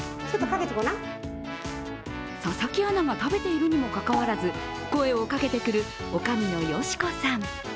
佐々木アナが食べているにもかかわらず声をかけてくる女将の佳子さん。